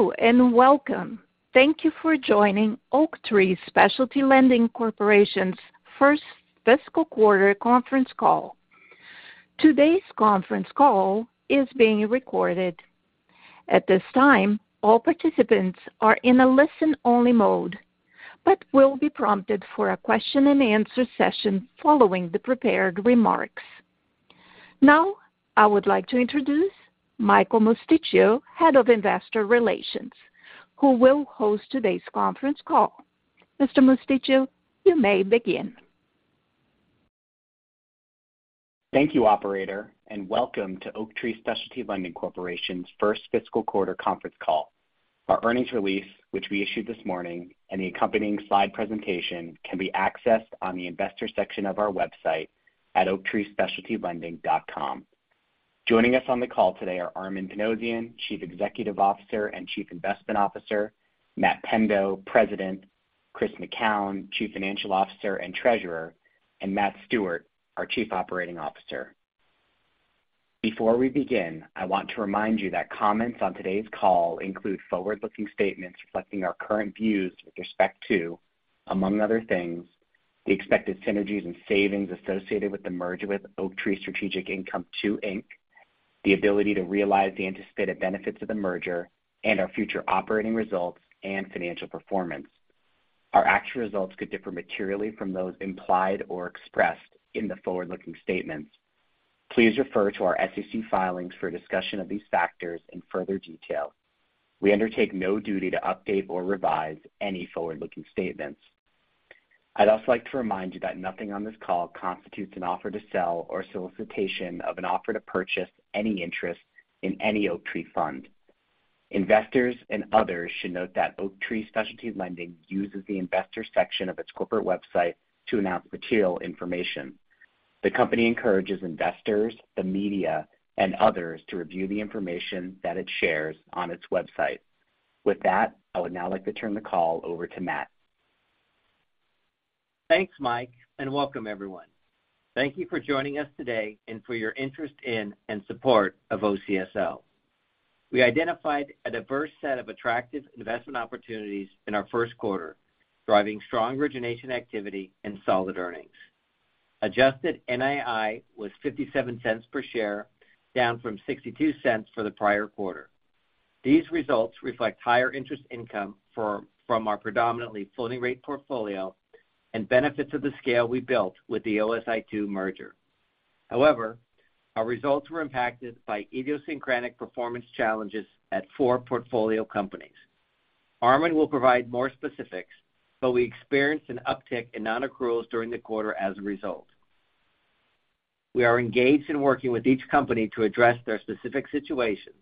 Hello, and welcome. Thank you for joining Oaktree Specialty Lending Corporation's first fiscal quarter conference call. Today's conference call is being recorded. At this time, all participants are in a listen-only mode, but will be prompted for a question-and-answer session following the prepared remarks. Now, I would like to introduce Michael Mosticchio, Head of Investor Relations, who will host today's conference call. Mr. Mosticchio, you may begin. Thank you, operator, and welcome to Oaktree Specialty Lending Corporation's first fiscal quarter conference call. Our earnings release, which we issued this morning, and the accompanying slide presentation can be accessed on the investor section of our website at oaktreespecialtylending.com. Joining us on the call today are Armen Panossian, Chief Executive Officer and Chief Investment Officer; Matt Pendo, President; Chris McKown, Chief Financial Officer and Treasurer; and Matt Stewart, our Chief Operating Officer. Before we begin, I want to remind you that comments on today's call include forward-looking statements reflecting our current views with respect to, among other things, the expected synergies and savings associated with the merger with Oaktree Strategic Income II, Inc., the ability to realize the anticipated benefits of the merger, and our future operating results and financial performance. Our actual results could differ materially from those implied or expressed in the forward-looking statements. Please refer to our SEC filings for a discussion of these factors in further detail. We undertake no duty to update or revise any forward-looking statements. I'd also like to remind you that nothing on this call constitutes an offer to sell or solicitation of an offer to purchase any interest in any Oaktree fund. Investors and others should note that Oaktree Specialty Lending uses the investors section of its corporate website to announce material information. The company encourages investors, the media, and others to review the information that it shares on its website. With that, I would now like to turn the call over to Matt. Thanks, Mike, and welcome, everyone. Thank you for joining us today and for your interest in and support of OCSL. We identified a diverse set of attractive investment opportunities in our first quarter, driving strong origination activity and solid earnings. Adjusted NII was $0.57 per share, down from $0.62 for the prior quarter. These results reflect higher interest income from our predominantly floating rate portfolio and benefits of the scale we built with the OSI II merger. However, our results were impacted by idiosyncratic performance challenges at four portfolio companies. Armen will provide more specifics, but we experienced an uptick in non-accruals during the quarter as a result. We are engaged in working with each company to address their specific situations.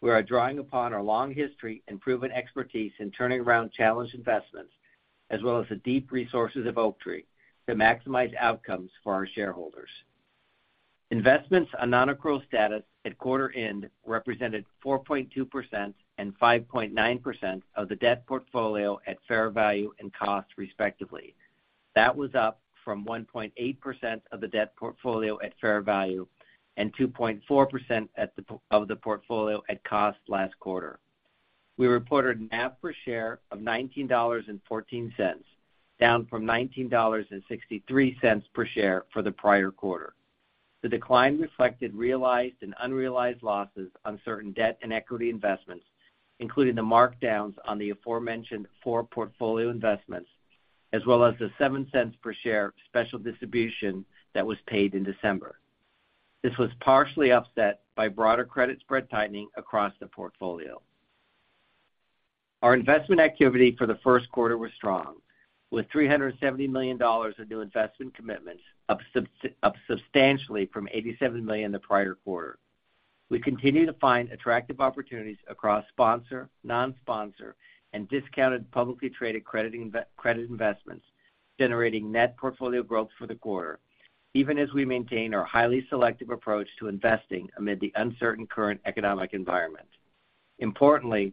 We are drawing upon our long history and proven expertise in turning around challenged investments, as well as the deep resources of Oaktree to maximize outcomes for our shareholders. Investments on non-accrual status at quarter end represented 4.2% and 5.9% of the debt portfolio at fair value and cost, respectively. That was up from 1.8% of the debt portfolio at fair value and 2.4% of the portfolio at cost last quarter. We reported NAV per share of $19.14, down from $19.63 per share for the prior quarter. The decline reflected realized and unrealized losses on certain debt and equity investments, including the markdowns on the aforementioned four portfolio investments, as well as the $0.07 per share special distribution that was paid in December. This was partially offset by broader credit spread tightening across the portfolio. Our investment activity for the first quarter was strong, with $370 million in new investment commitments, up substantially from $87 million the prior quarter. We continue to find attractive opportunities across sponsor, non-sponsor, and discounted publicly traded credit investments, generating net portfolio growth for the quarter, even as we maintain our highly selective approach to investing amid the uncertain current economic environment. Importantly,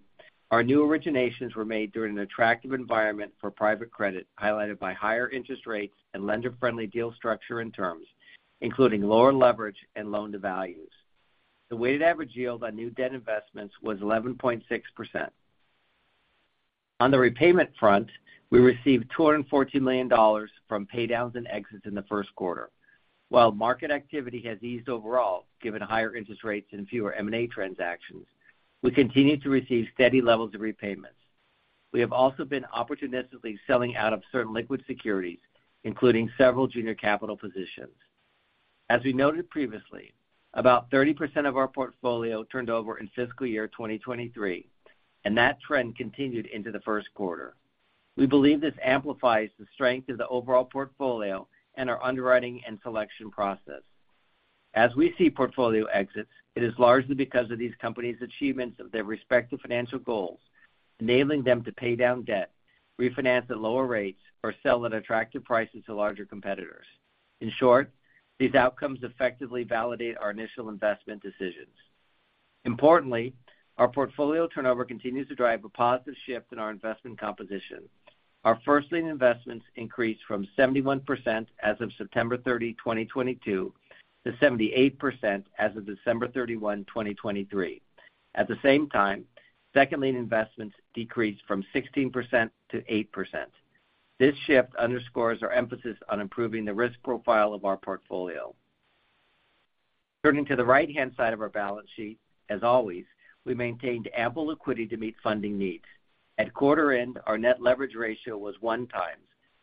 our new originations were made during an attractive environment for private credit, highlighted by higher interest rates and lender-friendly deal structure and terms, including lower leverage and loan to values. The weighted average yield on new debt investments was 11.6%. On the repayment front, we received $214 million from paydowns and exits in the first quarter. While market activity has eased overall, given higher interest rates and fewer M&A transactions, we continue to receive steady levels of repayments. We have also been opportunistically selling out of certain liquid securities, including several junior capital positions. As we noted previously, about 30% of our portfolio turned over in fiscal year 2023, and that trend continued into the first quarter. We believe this amplifies the strength of the overall portfolio and our underwriting and selection process. As we see portfolio exits, it is largely because of these companies' achievements of their respective financial goals, enabling them to pay down debt, refinance at lower rates, or sell at attractive prices to larger competitors. In short, these outcomes effectively validate our initial investment decisions. Importantly, our portfolio turnover continues to drive a positive shift in our investment composition.... Our first lien investments increased from 71% as of September 30, 2022, to 78% as of December 31, 2023. At the same time, second lien investments decreased from 16% to 8%. This shift underscores our emphasis on improving the risk profile of our portfolio. Turning to the right-hand side of our balance sheet, as always, we maintained ample liquidity to meet funding needs. At quarter end, our net leverage ratio was 1x,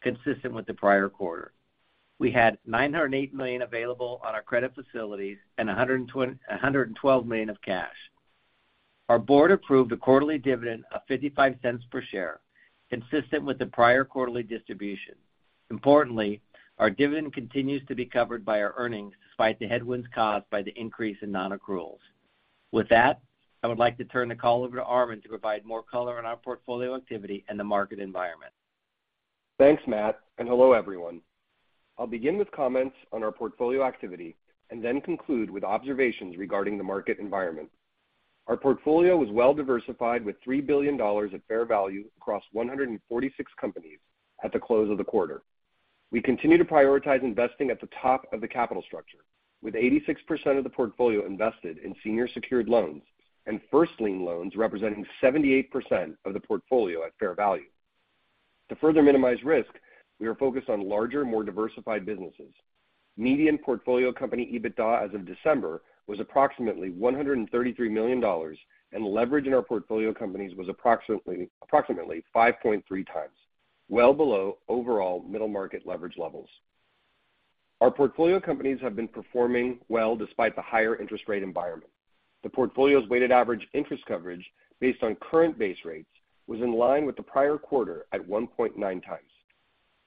consistent with the prior quarter. We had $908 million available on our credit facilities and $112 million of cash. Our board approved a quarterly dividend of $0.55 per share, consistent with the prior quarterly distribution. Importantly, our dividend continues to be covered by our earnings, despite the headwinds caused by the increase in non-accruals. With that, I would like to turn the call over to Armen to provide more color on our portfolio activity and the market environment. Thanks, Matt, and hello, everyone. I'll begin with comments on our portfolio activity and then conclude with observations regarding the market environment. Our portfolio was well diversified, with $3 billion of fair value across 146 companies at the close of the quarter. We continue to prioritize investing at the top of the capital structure, with 86% of the portfolio invested in senior secured loans and first lien loans representing 78% of the portfolio at fair value. To further minimize risk, we are focused on larger, more diversified businesses. Median portfolio company EBITDA as of December was approximately $133 million, and leverage in our portfolio companies was approximately 5.3x, well below overall middle market leverage levels. Our portfolio companies have been performing well despite the higher interest rate environment. The portfolio's weighted average interest coverage, based on current base rates, was in line with the prior quarter at 1.9 times.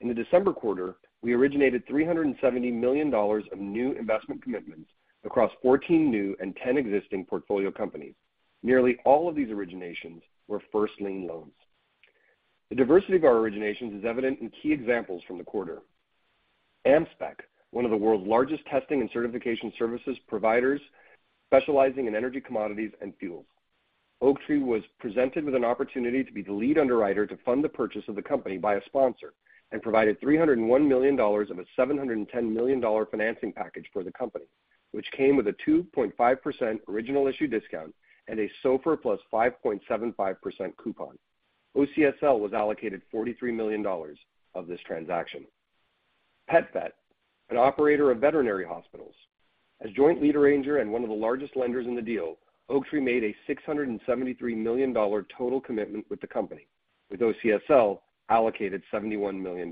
In the December quarter, we originated $370 million of new investment commitments across 14 new and 10 existing portfolio companies. Nearly all of these originations were first lien loans. The diversity of our originations is evident in key examples from the quarter. AmSpec, one of the world's largest testing and certification services providers, specializing in energy, commodities, and fuels. Oaktree was presented with an opportunity to be the lead underwriter to fund the purchase of the company by a sponsor and provided $301 million of a $710 million financing package for the company, which came with a 2.5% original issue discount and a SOFR plus 5.75% coupon. OCSL was allocated $43 million of this transaction. PetVet, an operator of veterinary hospitals. As joint lead arranger and one of the largest lenders in the deal, Oaktree made a $673 million total commitment with the company, with OCSL allocated $71 million.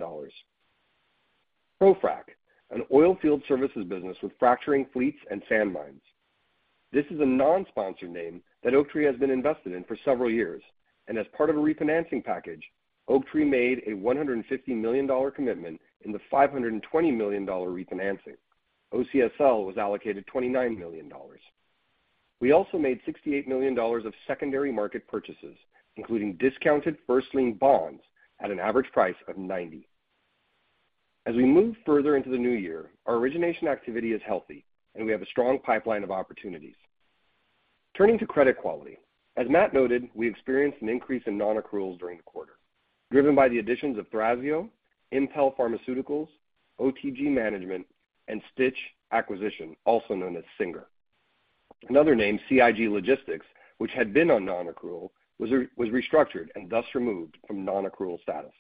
ProFrac, an oil field services business with fracturing fleets and sand mines. This is a non-sponsor name that Oaktree has been invested in for several years, and as part of a refinancing package, Oaktree made a $150 million commitment in the $520 million refinancing. OCSL was allocated $29 million. We also made $68 million of secondary market purchases, including discounted first-lien bonds at an average price of 90. As we move further into the new year, our origination activity is healthy, and we have a strong pipeline of opportunities. Turning to credit quality. As Matt noted, we experienced an increase in non-accruals during the quarter, driven by the additions of Thrasio, Impel Pharmaceuticals, OTG Management, and Stitch Acquisition, also known as Singer. Another name, CIG Logistics, which had been on non-accrual, was restructured and thus removed from non-accrual status.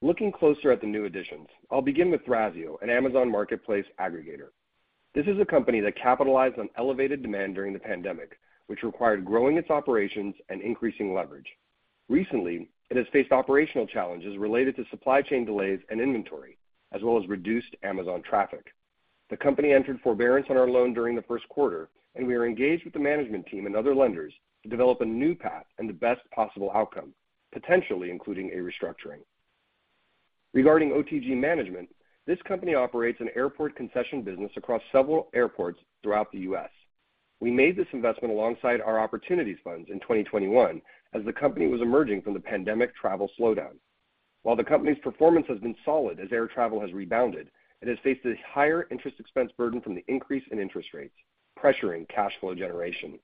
Looking closer at the new additions, I'll begin with Thrasio, an Amazon Marketplace aggregator. This is a company that capitalized on elevated demand during the pandemic, which required growing its operations and increasing leverage. Recently, it has faced operational challenges related to supply chain delays and inventory, as well as reduced Amazon traffic. The company entered forbearance on our loan during the first quarter, and we are engaged with the management team and other lenders to develop a new path and the best possible outcome, potentially including a restructuring. Regarding OTG Management, this company operates an airport concession business across several airports throughout the U.S. We made this investment alongside our opportunities funds in 2021 as the company was emerging from the pandemic travel slowdown. While the company's performance has been solid as air travel has rebounded, it has faced a higher interest expense burden from the increase in interest rates, pressuring cash flow generation.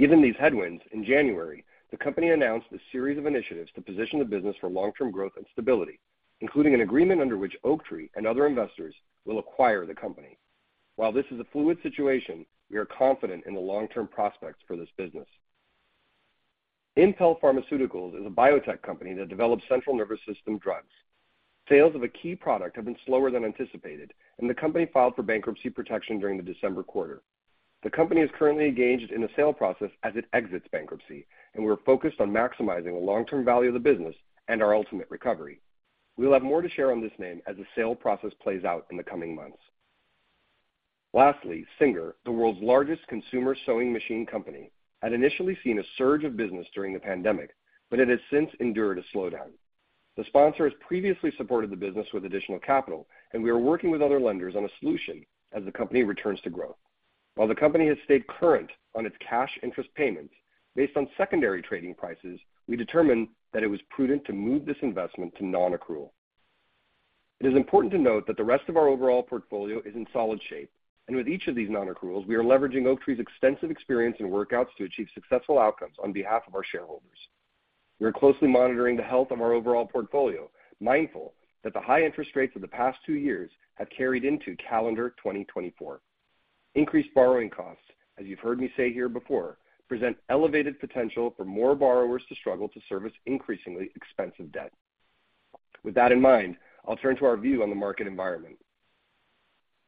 Given these headwinds, in January, the company announced a series of initiatives to position the business for long-term growth and stability, including an agreement under which Oaktree and other investors will acquire the company. While this is a fluid situation, we are confident in the long-term prospects for this business. Impel Pharmaceuticals is a biotech company that develops central nervous system drugs. Sales of a key product have been slower than anticipated, and the company filed for bankruptcy protection during the December quarter. The company is currently engaged in a sale process as it exits bankruptcy, and we're focused on maximizing the long-term value of the business and our ultimate recovery. We'll have more to share on this name as the sale process plays out in the coming months. Lastly, Singer, the world's largest consumer sewing machine company, had initially seen a surge of business during the pandemic, but it has since endured a slowdown. The sponsor has previously supported the business with additional capital, and we are working with other lenders on a solution as the company returns to growth. While the company has stayed current on its cash interest payments, based on secondary trading prices, we determined that it was prudent to move this investment to non-accrual. It is important to note that the rest of our overall portfolio is in solid shape, and with each of these non-accruals, we are leveraging Oaktree's extensive experience in workouts to achieve successful outcomes on behalf of our shareholders. We are closely monitoring the health of our overall portfolio, mindful that the high interest rates of the past two years have carried into calendar 2024. Increased borrowing costs, as you've heard me say here before, present elevated potential for more borrowers to struggle to service increasingly expensive debt. With that in mind, I'll turn to our view on the market environment.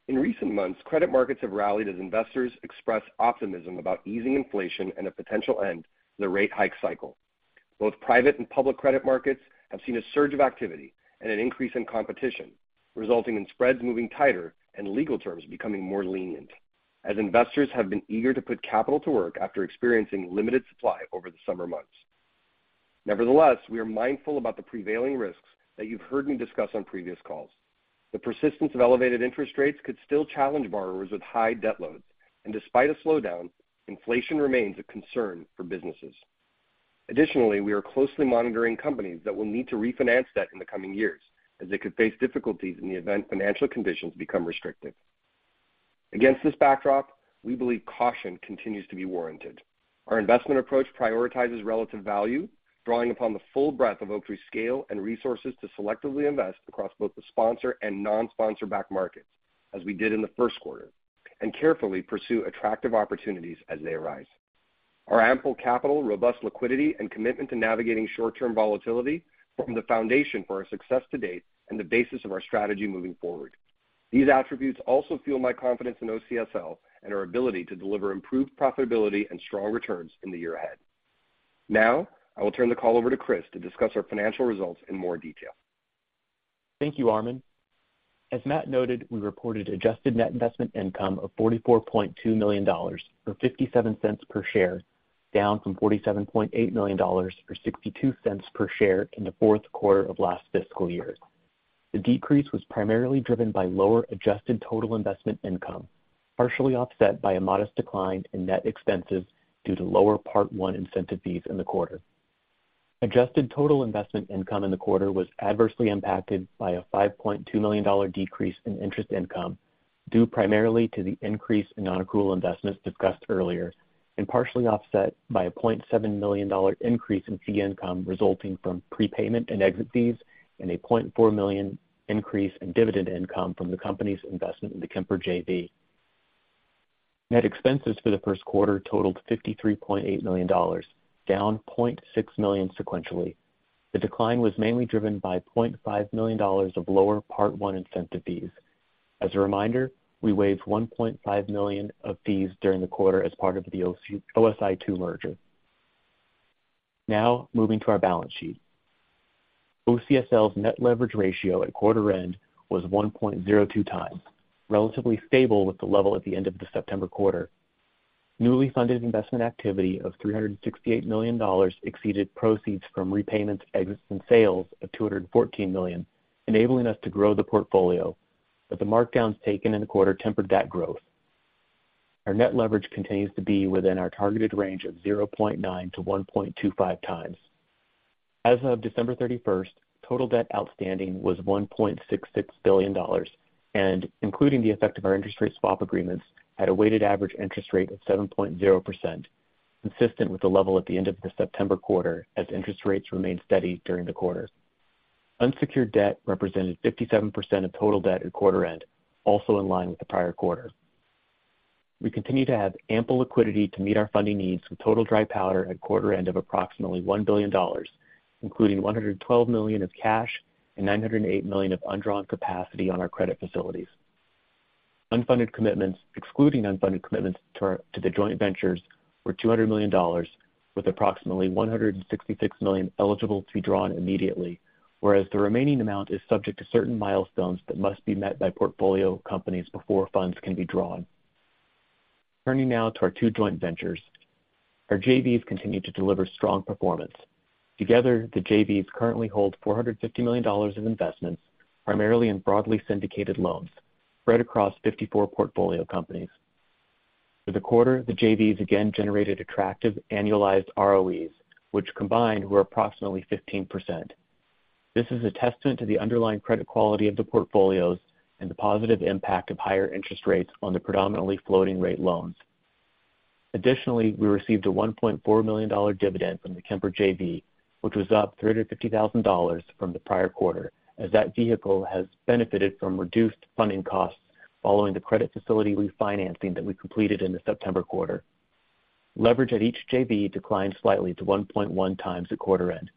In recent months, credit markets have rallied as investors express optimism about easing inflation and a potential end to the rate hike cycle. Both private and public credit markets have seen a surge of activity and an increase in competition, resulting in spreads moving tighter and legal terms becoming more lenient, as investors have been eager to put capital to work after experiencing limited supply over the summer months. Nevertheless, we are mindful about the prevailing risks that you've heard me discuss on previous calls. The persistence of elevated interest rates could still challenge borrowers with high debt loads, and despite a slowdown, inflation remains a concern for businesses. Additionally, we are closely monitoring companies that will need to refinance debt in the coming years, as they could face difficulties in the event financial conditions become restrictive. Against this backdrop, we believe caution continues to be warranted. Our investment approach prioritizes relative value, drawing upon the full breadth of Oaktree's scale and resources to selectively invest across both the sponsor and non-sponsor backed markets, as we did in the first quarter, and carefully pursue attractive opportunities as they arise. Our ample capital, robust liquidity, and commitment to navigating short-term volatility form the foundation for our success to date and the basis of our strategy moving forward. These attributes also fuel my confidence in OCSL and our ability to deliver improved profitability and strong returns in the year ahead. Now, I will turn the call over to Chris to discuss our financial results in more detail. Thank you, Armen. As Matt noted, we reported adjusted net investment income of $44.2 million, or $0.57 per share, down from $47.8 million, or $0.62 per share in the fourth quarter of last fiscal year. The decrease was primarily driven by lower adjusted total investment income, partially offset by a modest decline in net expenses due to lower Part I incentive fees in the quarter. Adjusted total investment income in the quarter was adversely impacted by a $5.2 million decrease in interest income, due primarily to the increase in non-accrual investments discussed earlier, and partially offset by a $0.7 million increase in fee income resulting from prepayment and exit fees, and a $0.4 million increase in dividend income from the company's investment in the Kemper JV. Net expenses for the first quarter totaled $53.8 million, down $0.6 million sequentially. The decline was mainly driven by $0.5 million of lower Part I incentive fees. As a reminder, we waived $1.5 million of fees during the quarter as part of the OSI II merger. Now, moving to our balance sheet. OCSL's net leverage ratio at quarter end was 1.02x, relatively stable with the level at the end of the September quarter. Newly funded investment activity of $368 million exceeded proceeds from repayments, exits, and sales of $214 million, enabling us to grow the portfolio, but the markdowns taken in the quarter tempered that growth. Our net leverage continues to be within our targeted range of 0.9-1.25 times. As of December 31, total debt outstanding was $1.66 billion, and including the effect of our interest rate swap agreements, had a weighted average interest rate of 7.0%, consistent with the level at the end of the September quarter as interest rates remained steady during the quarter. Unsecured debt represented 57% of total debt at quarter end, also in line with the prior quarter. We continue to have ample liquidity to meet our funding needs, with total dry powder at quarter end of approximately $1 billion, including $112 million of cash and $908 million of undrawn capacity on our credit facilities. Unfunded commitments, excluding unfunded commitments to our, to the joint ventures, were $200 million, with approximately $166 million eligible to be drawn immediately, whereas the remaining amount is subject to certain milestones that must be met by portfolio companies before funds can be drawn. Turning now to our two joint ventures. Our JVs continue to deliver strong performance. Together, the JVs currently hold $450 million of investments, primarily in broadly syndicated loans spread across 54 portfolio companies. For the quarter, the JVs again generated attractive annualized ROEs, which combined were approximately 15%. This is a testament to the underlying credit quality of the portfolios and the positive impact of higher interest rates on the predominantly floating-rate loans. Additionally, we received a $1.4 million dividend from the Kemper JV, which was up $350,000 from the prior quarter, as that vehicle has benefited from reduced funding costs following the credit facility refinancing that we completed in the September quarter. Leverage at each JV declined slightly to 1.1 times at quarter end.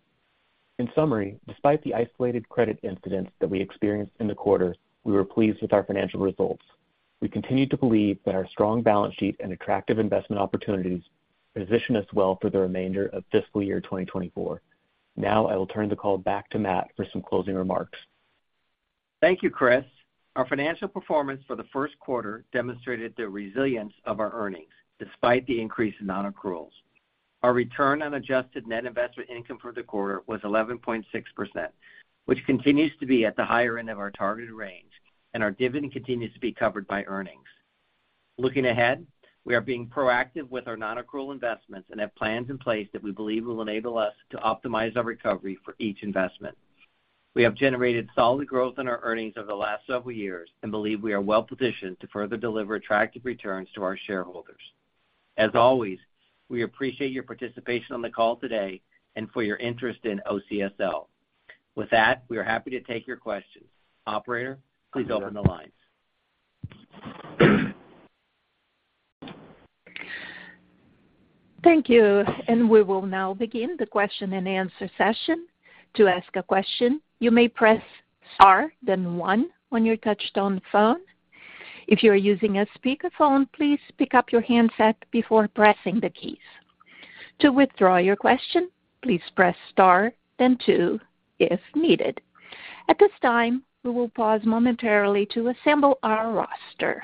In summary, despite the isolated credit incidents that we experienced in the quarter, we were pleased with our financial results. We continue to believe that our strong balance sheet and attractive investment opportunities position us well for the remainder of fiscal year 2024. Now, I will turn the call back to Matt for some closing remarks. Thank you, Chris. Our financial performance for the first quarter demonstrated the resilience of our earnings despite the increase in non-accruals. Our return on adjusted net investment income for the quarter was 11.6%, which continues to be at the higher end of our targeted range, and our dividend continues to be covered by earnings.... Looking ahead, we are being proactive with our non-accrual investments and have plans in place that we believe will enable us to optimize our recovery for each investment. We have generated solid growth in our earnings over the last several years and believe we are well positioned to further deliver attractive returns to our shareholders. As always, we appreciate your participation on the call today and for your interest in OCSL. With that, we are happy to take your questions. Operator, please open the lines. Thank you. We will now begin the question-and-answer session. To ask a question, you may press star, then one on your touchtone phone. If you are using a speakerphone, please pick up your handset before pressing the keys. To withdraw your question, please press star, then two if needed. At this time, we will pause momentarily to assemble our roster.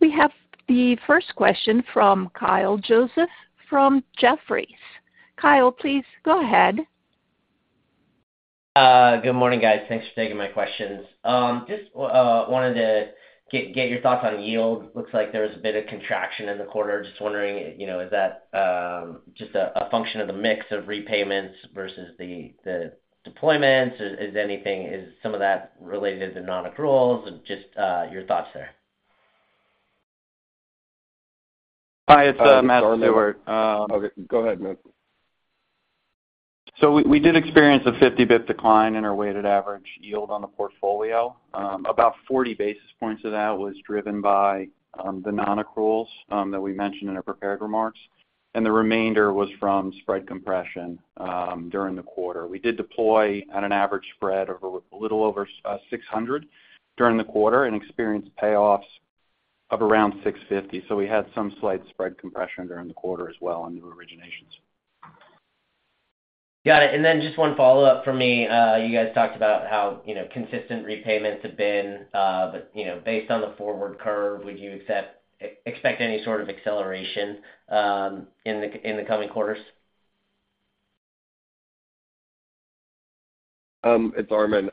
We have the first question from Kyle Joseph, from Jefferies. Kyle, please go ahead. Good morning, guys. Thanks for taking my questions. Just wanted to get your thoughts on yield. Looks like there was a bit of contraction in the quarter. Just wondering, you know, is that just a function of the mix of repayments versus the deployments? Is some of that related to non-accruals? Just your thoughts there. Hi, it's Matt Stewart. Okay, go ahead, Matt. So we did experience a 50 basis points decline in our weighted average yield on the portfolio. About 40 basis points of that was driven by the non-accruals that we mentioned in our prepared remarks, and the remainder was from spread compression during the quarter. We did deploy at an average spread of a little over 600 during the quarter and experienced payoffs of around 650. So we had some slight spread compression during the quarter as well on the originations. Got it. And then just one follow-up for me. You guys talked about how, you know, consistent repayments have been, but, you know, based on the forward curve, would you expect any sort of acceleration in the coming quarters? It's Armen.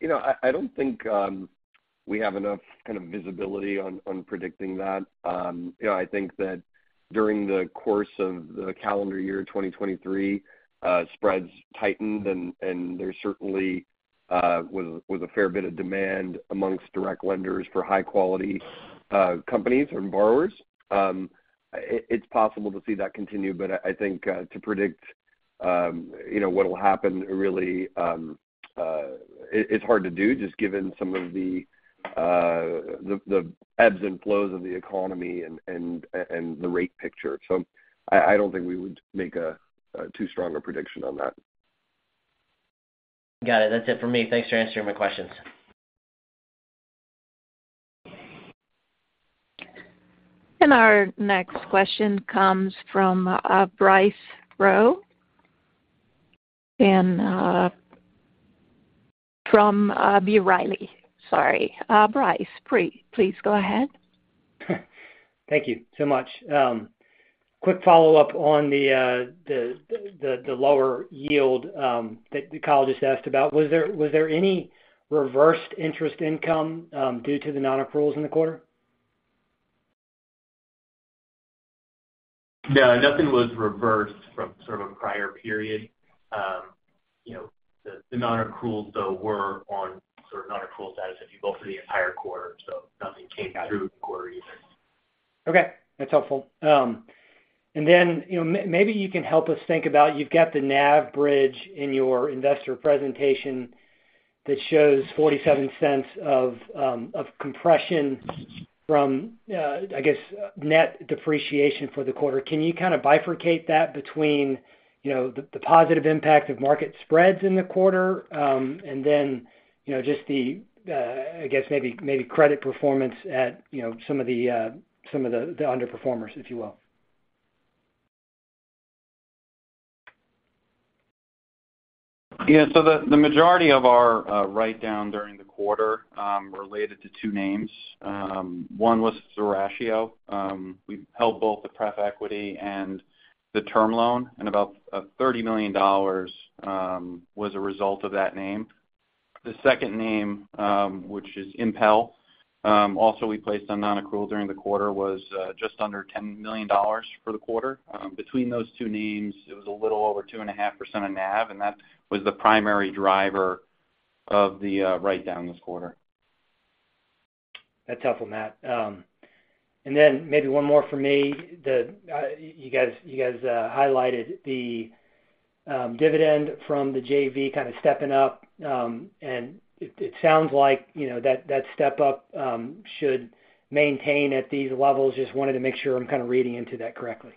You know, I don't think we have enough kind of visibility on predicting that. You know, I think that during the course of the calendar year 2023, spreads tightened and there certainly was a fair bit of demand amongst direct lenders for high-quality companies and borrowers. It's possible to see that continue, but I think to predict you know what will happen, it's hard to do, just given some of the ebbs and flows of the economy and the rate picture. So I don't think we would make a too strong prediction on that. Got it. That's it for me. Thanks for answering my questions. Our next question comes from Bryce Rowe, from B. Riley. Sorry, Bryce, please, please go ahead. Thank you so much. Quick follow-up on the lower yield that Kyle just asked about. Was there any reversed interest income due to the non-accruals in the quarter? No, nothing was reversed from sort of a prior period. You know, the non-accruals though were on sort of non-accrual status if you go through the entire quarter, so nothing came through the quarter either. Okay, that's helpful. And then, you know, maybe you can help us think about... You've got the NAV bridge in your investor presentation that shows $0.47 of compression from, I guess, net depreciation for the quarter. Can you kind of bifurcate that between, you know, the positive impact of market spreads in the quarter, and then, you know, just the, I guess, maybe credit performance at, you know, some of the underperformers, if you will? Yeah. So the majority of our write-down during the quarter related to two names. One was Thrasio. We held both the pref equity and the term loan, and about $30 million was a result of that name. The second name, which is Impel, also we placed on non-accrual during the quarter, was just under $10 million for the quarter. Between those two names, it was a little over 2.5% of NAV, and that was the primary driver of the write-down this quarter. That's helpful, Matt. And then maybe one more for me. You guys highlighted the dividend from the JV kind of stepping up, and it sounds like, you know, that step up should maintain at these levels. Just wanted to make sure I'm kind of reading into that correctly.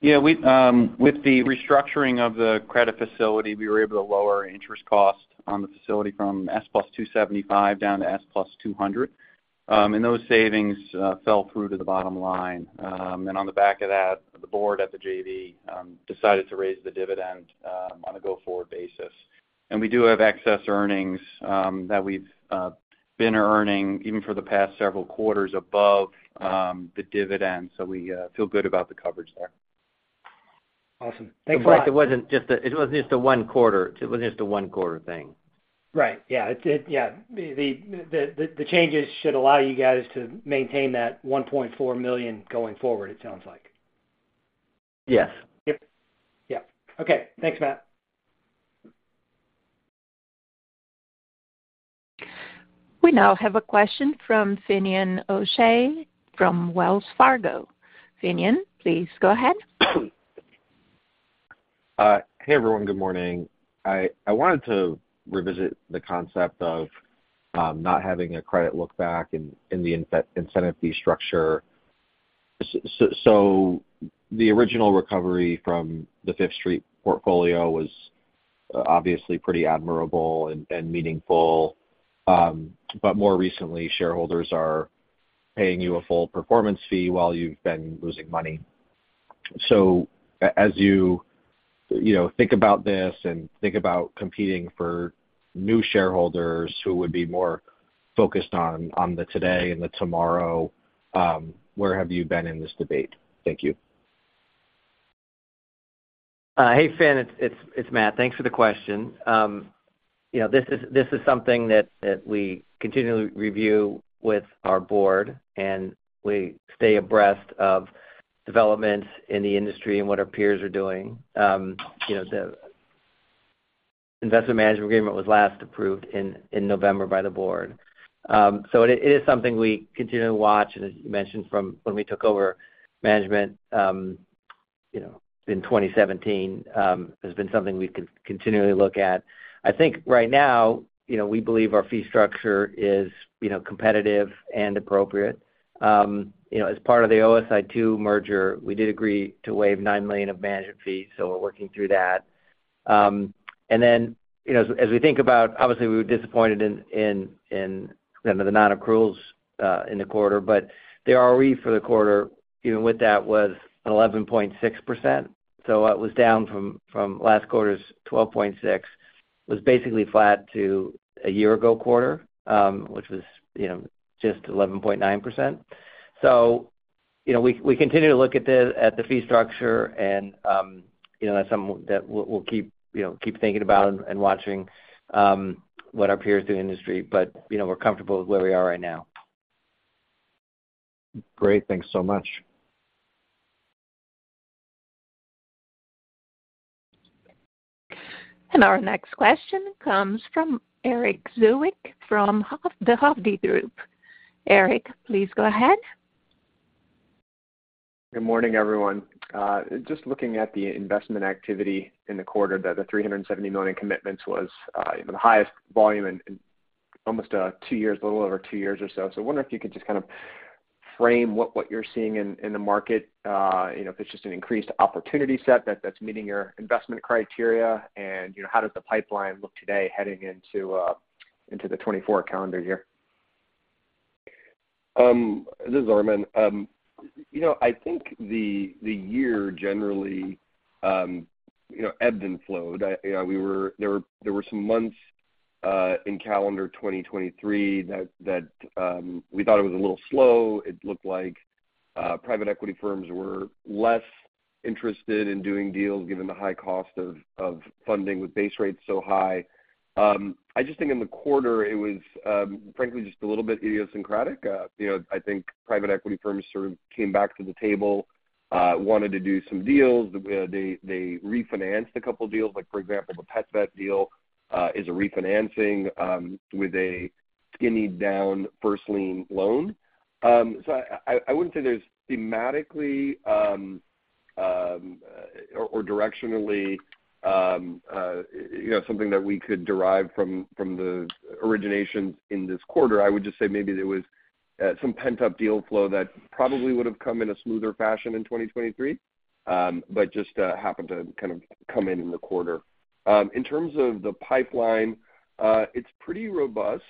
Yeah, we, with the restructuring of the credit facility, we were able to lower interest costs on the facility from SOFR plus 275 down to SOFR plus 200. Those savings fell through to the bottom line. On the back of that, the board at the JV decided to raise the dividend on a go-forward basis. We do have excess earnings that we've been earning, even for the past several quarters, above the dividend. So we feel good about the coverage there.... Awesome. Thanks, Matt. It wasn't just a one quarter. It wasn't just a one quarter thing. Right. Yeah, the changes should allow you guys to maintain that $1.4 million going forward, it sounds like. Yes. Yep. Yeah. Okay. Thanks, Matt. We now have a question from Finian O'Shea from Wells Fargo. Finian, please go ahead. Hey, everyone. Good morning. I wanted to revisit the concept of not having a credit look back in the incentive fee structure. So the original recovery from the Fifth Street portfolio was obviously pretty admirable and meaningful. But more recently, shareholders are paying you a full performance fee while you've been losing money. So as you know, think about this and think about competing for new shareholders who would be more focused on the today and the tomorrow, where have you been in this debate? Thank you. Hey, Finn. It's Matt. Thanks for the question. You know, this is something that we continually review with our board, and we stay abreast of developments in the industry and what our peers are doing. You know, the investment management agreement was last approved in November by the board. So it is something we continue to watch, and as you mentioned, from when we took over management, you know, in 2017, has been something we continually look at. I think right now, you know, we believe our fee structure is, you know, competitive and appropriate. You know, as part of the OSI II merger, we did agree to waive $9 million of management fees, so we're working through that. And then, you know, as, as we think about—obviously, we were disappointed in, in, in, you know, the non-accruals in the quarter, but the ROE for the quarter, even with that, was 11.6%. So it was down from, from last quarter's 12.6. Was basically flat to a year ago quarter, which was, you know, just 11.9%. So, you know, we, we continue to look at the, at the fee structure, and, you know, that's something that we'll, we'll keep, you know, keep thinking about and, and watching what our peers do in the industry. But, you know, we're comfortable with where we are right now. Great. Thanks so much. Our next question comes from Eric Zwick from the Hovde Group. Eric, please go ahead. Good morning, everyone. Just looking at the investment activity in the quarter, the $370 million commitments was the highest volume in almost two years, a little over two years or so. So I wonder if you could just kind of frame what you're seeing in the market, you know, if it's just an increased opportunity set that's meeting your investment criteria, and, you know, how does the pipeline look today heading into the 2024 calendar year? This is Armen. You know, I think the year generally ebbed and flowed. You know, we were—there were some months in calendar 2023 that we thought it was a little slow. It looked like private equity firms were less interested in doing deals, given the high cost of funding, with base rates so high. I just think in the quarter it was frankly just a little bit idiosyncratic. You know, I think private equity firms sort of came back to the table, wanted to do some deals. They refinanced a couple deals. Like, for example, the PetVet deal is a refinancing with a skinny down first lien loan. So I wouldn't say there's thematically, or directionally, you know, something that we could derive from the origination in this quarter. I would just say maybe there was some pent-up deal flow that probably would have come in a smoother fashion in 2023, but just happened to kind of come in in the quarter. In terms of the pipeline, it's pretty robust.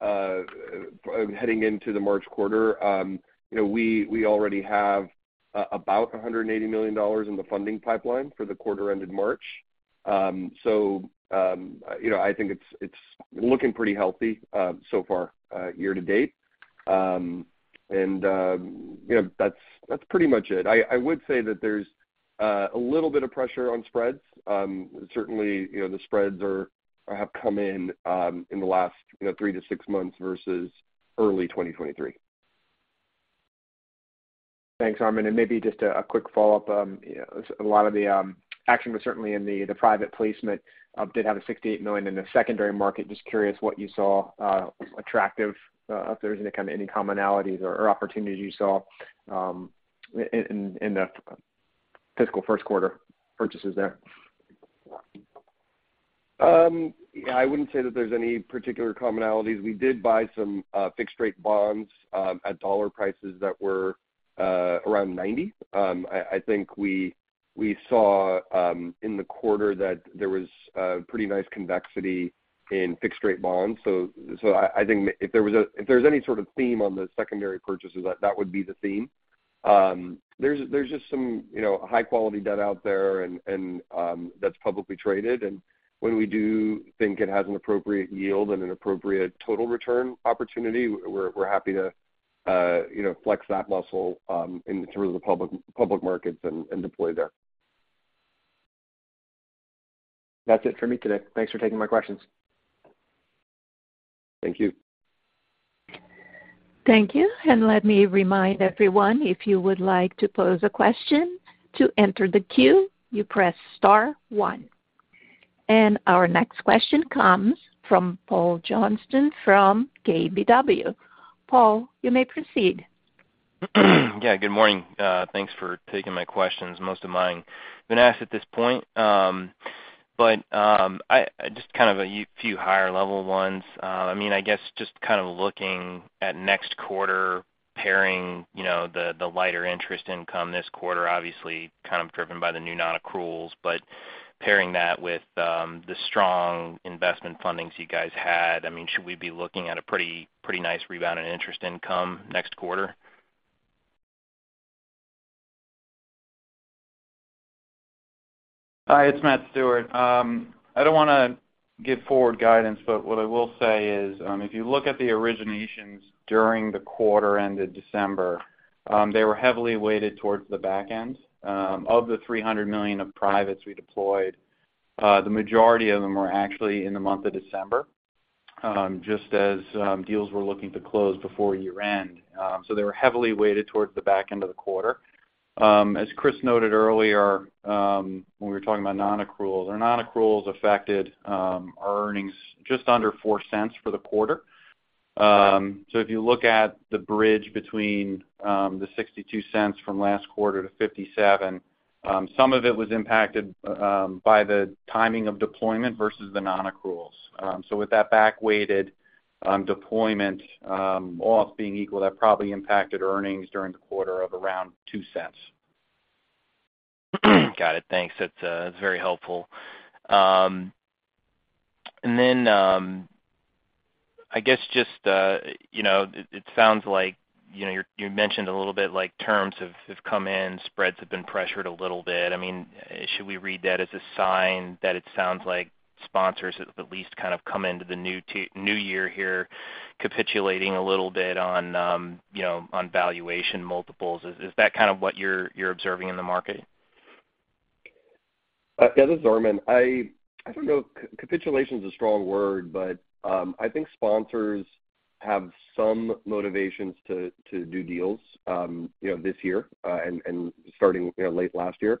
Heading into the March quarter, you know, we already have about $180 million in the funding pipeline for the quarter ended March. So, you know, I think it's looking pretty healthy so far, year to date. And, you know, that's pretty much it. I would say that there's a little bit of pressure on spreads. Certainly, you know, the spreads are, have come in, in the last, you know, three to six months versus early 2023. Thanks, Armen. Maybe just a quick follow-up. You know, a lot of the action was certainly in the private placement, did have $68 million in the secondary market. Just curious what you saw attractive, if there was any kind of any commonalities or opportunities you saw, in the fiscal first quarter purchases there? Yeah, I wouldn't say that there's any particular commonalities. We did buy some fixed-rate bonds at dollar prices that were around $90. I think we saw in the quarter that there was a pretty nice convexity in fixed-rate bonds. So I think if there's any sort of theme on the secondary purchases, that would be the theme. There's just some, you know, high-quality debt out there and that's publicly traded. And when we do think it has an appropriate yield and an appropriate total return opportunity, we're happy to, you know, flex that muscle in terms of the public markets and deploy there. That's it for me today. Thanks for taking my questions. Thank you. Thank you. And let me remind everyone, if you would like to pose a question, to enter the queue, you press star one. And our next question comes from Paul Johnson from KBW. Paul, you may proceed. Yeah, good morning. Thanks for taking my questions. Most of mine have been asked at this point. But just kind of a few higher level ones. I mean, I guess just kind of looking at next quarter, pairing, you know, the lighter interest income this quarter, obviously, kind of driven by the new non-accruals, but pairing that with the strong investment fundings you guys had. I mean, should we be looking at a pretty nice rebound in interest income next quarter? Hi, it's Matt Stewart. I don't want to give forward guidance, but what I will say is, if you look at the originations during the quarter ended December, they were heavily weighted towards the back end. Of the $300 million of privates we deployed, the majority of them were actually in the month of December, just as deals were looking to close before year-end. So they were heavily weighted towards the back end of the quarter. As Chris noted earlier, when we were talking about non-accruals, our non-accruals affected our earnings just under $0.04 for the quarter. So if you look at the bridge between the $0.62 from last quarter to $0.57, some of it was impacted by the timing of deployment versus the non-accruals. With that backweighted deployment, all else being equal, that probably impacted earnings during the quarter of around $0.02. Got it. Thanks. That's, that's very helpful. And then, I guess just, you know, it sounds like, you know, you mentioned a little bit like terms have come in, spreads have been pressured a little bit. I mean, should we read that as a sign that it sounds like sponsors have at least kind of come into the new year here, capitulating a little bit on, you know, on valuation multiples? Is that kind of what you're observing in the market? Yeah, this is Armen. I don't know, capitulation is a strong word, but I think sponsors have some motivations to do deals, you know, this year, and starting, you know, late last year.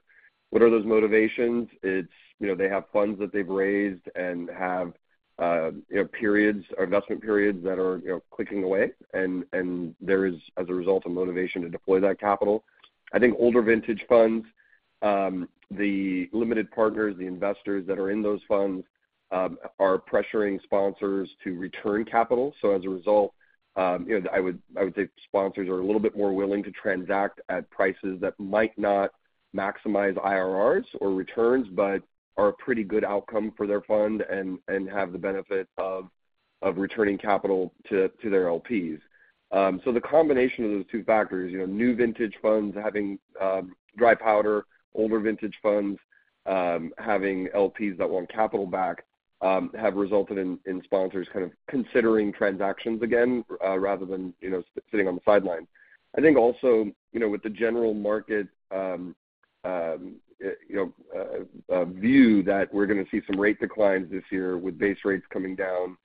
What are those motivations? It's, you know, they have funds that they've raised and have, you know, periods or investment periods that are, you know, clicking away, and there is, as a result, a motivation to deploy that capital. I think older vintage funds, the limited partners, the investors that are in those funds, are pressuring sponsors to return capital. So as a result, you know, I would, I would say sponsors are a little bit more willing to transact at prices that might not maximize IRRs or returns, but are a pretty good outcome for their fund and, and have the benefit of, of returning capital to, to their LPs. So the combination of those two factors, you know, new vintage funds, having, dry powder, older vintage funds, having LPs that want capital back, have resulted in, in sponsors kind of considering transactions again, rather than, you know, sitting on the sidelines. I think also, you know, with the general market, you know, a view that we're gonna see some rate declines this year with base rates coming down,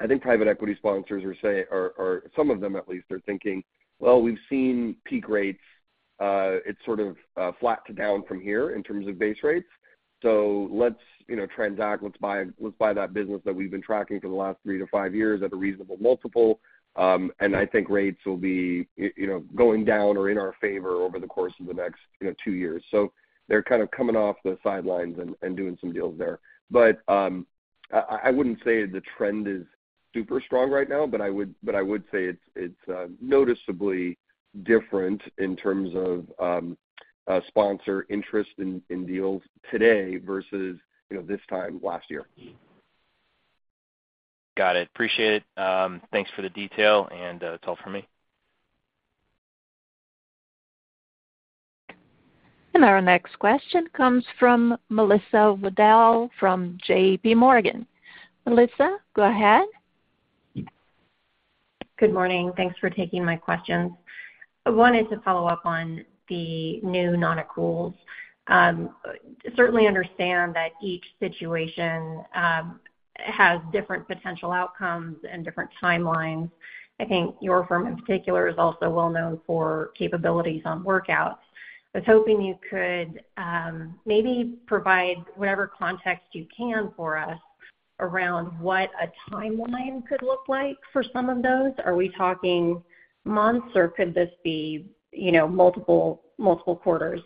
I think private equity sponsors are, some of them at least, are thinking, "Well, we've seen peak rates. It's sort of flat to down from here in terms of base rates. So let's, you know, transact, let's buy, let's buy that business that we've been tracking for the last 3-5 years at a reasonable multiple. And I think rates will be, you know, going down or in our favor over the course of the next, you know, 2 years." So they're kind of coming off the sidelines and doing some deals there. But, I wouldn't say the trend is super strong right now, but I would say it's noticeably different in terms of sponsor interest in deals today versus, you know, this time last year. Got it. Appreciate it. Thanks for the detail, and that's all for me. Our next question comes from Melissa Wedel from JPMorgan. Melissa, go ahead. Good morning. Thanks for taking my questions. I wanted to follow up on the new non-accruals. Certainly understand that each situation has different potential outcomes and different timelines. I think your firm in particular is also well known for capabilities on workouts. I was hoping you could maybe provide whatever context you can for us around what a timeline could look like for some of those. Are we talking months, or could this be, you know, multiple quarters?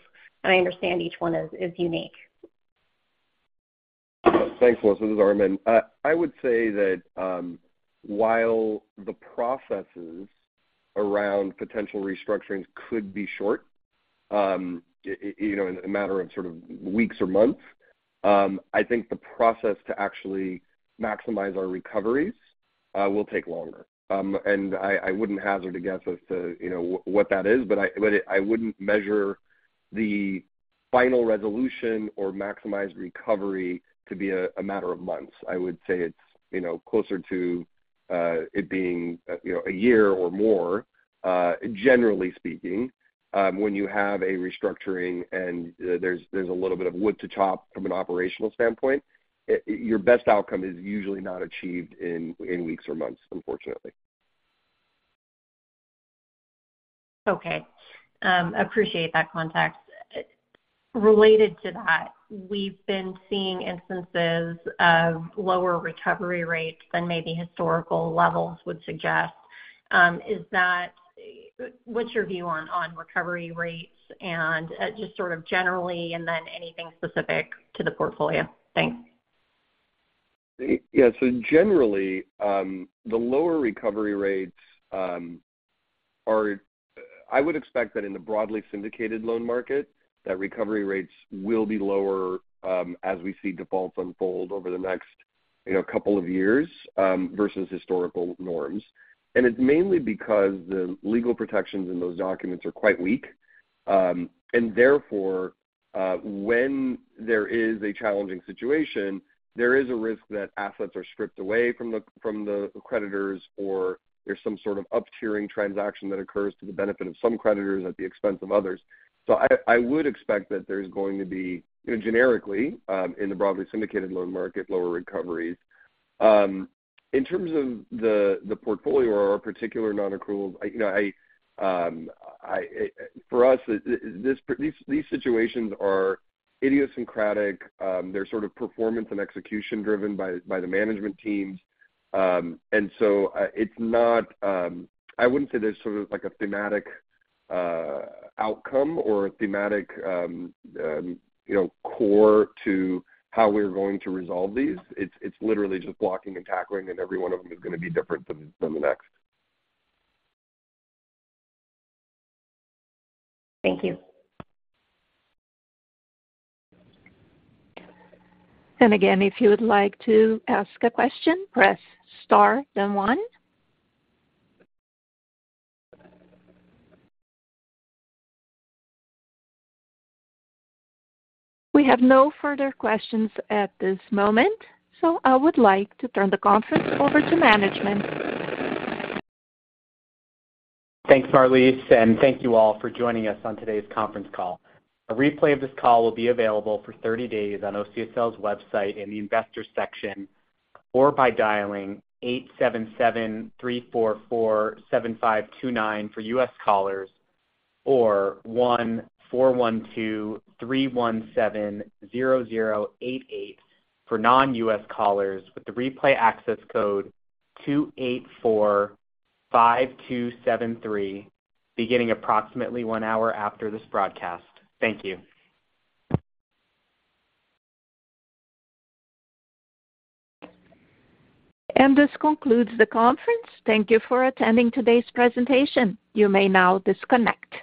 And I understand each one is unique. Thanks, Melissa. This is Armen. I would say that while the processes around potential restructurings could be short, you know, in a matter of sort of weeks or months, I think the process to actually maximize our recoveries will take longer. And I wouldn't hazard a guess as to, you know, what that is, but I wouldn't measure the final resolution or maximize recovery to be a matter of months. I would say it's, you know, closer to it being, you know, a year or more, generally speaking. When you have a restructuring and there's a little bit of wood to chop from an operational standpoint, your best outcome is usually not achieved in weeks or months, unfortunately. Okay. Appreciate that context. Related to that, we've been seeing instances of lower recovery rates than maybe historical levels would suggest. What's your view on recovery rates and just sort of generally, and then anything specific to the portfolio? Thanks. Yeah. So generally, the lower recovery rates, I would expect that in the broadly syndicated loan market, that recovery rates will be lower, as we see defaults unfold over the next, you know, couple of years, versus historical norms. And it's mainly because the legal protections in those documents are quite weak. And therefore, when there is a challenging situation, there is a risk that assets are stripped away from the creditors, or there's some sort of up-tiering transaction that occurs to the benefit of some creditors at the expense of others. So I would expect that there's going to be, you know, generically, in the broadly syndicated loan market, lower recoveries. In terms of the portfolio or our particular non-accruals, I, you know, for us, these situations are idiosyncratic. They're sort of performance and execution driven by the management teams. And so, it's not. I wouldn't say there's sort of like a thematic outcome or a thematic, you know, core to how we're going to resolve these. It's literally just blocking and tackling, and every one of them is gonna be different than the next. Thank you. And again, if you would like to ask a question, press star then one. We have no further questions at this moment, so I would like to turn the conference over to management. Thanks, Marlice, and thank you all for joining us on today's conference call. A replay of this call will be available for 30 days on OCSL's website in the Investors section, or by dialing 877-344-7529 for U.S. callers, or 1-412-317-0088 for non-U.S. callers, with the replay access code 284-5273, beginning approximately one hour after this broadcast. Thank you. This concludes the conference. Thank you for attending today's presentation. You may now disconnect.